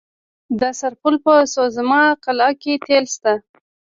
د سرپل په سوزمه قلعه کې تیل شته.